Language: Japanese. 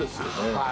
はい。